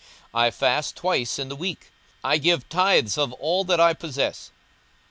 42:018:012 I fast twice in the week, I give tithes of all that I possess.